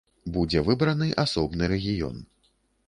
Будзе выбраны асобны рэгіён.